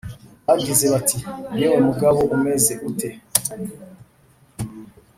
Bagize bati: yewe mugabo umeze ute